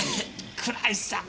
倉石さん。